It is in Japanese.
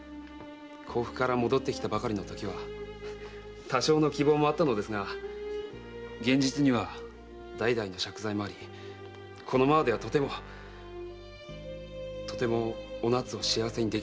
甲府から戻ってきたばかりのときは多少の希望もあったのですが現実には代々の借財もありこのままではとてもとてもお奈津を幸せにできないと思いました。